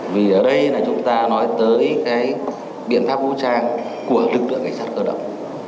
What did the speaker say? vì ở đây là chúng ta nói tới cái biện pháp vũ trang của lực lượng cảnh sát cơ động